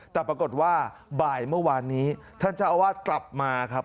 แต่ปรากฏว่าบ่ายเมื่อวานนี้ท่านเจ้าอาวาสกลับมาครับ